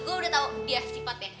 gue udah tau dia sifatnya